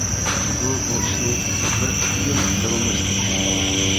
ئۇ بۇ ئىشنى بىر ئىككى يىل داۋاملاشتۇرۇپتۇ.